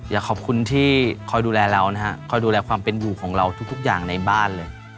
อยากขอบคุณที่คอยดูแลเรานะฮะคอยดูแลความเป็นอยู่ของเราทุกอย่างในบ้านเลย